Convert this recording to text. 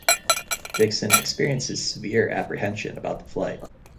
Dixon experiences severe apprehension about the flight.